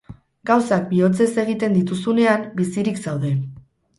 Gauzak bihotzez egiten dituzunean, bizirik zaude.